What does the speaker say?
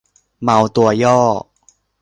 เมาตัวย่อ